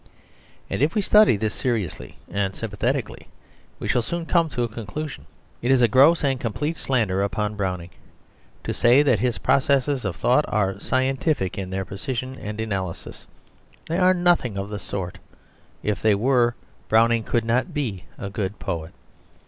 And if we study this seriously and sympathetically, we shall soon come to a conclusion. It is a gross and complete slander upon Browning to say that his processes of thought are scientific in their precision and analysis. They are nothing of the sort; if they were, Browning could not be a good poet.